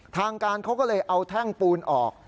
ทางการเขาก็เลยเอาแท่งปูนออก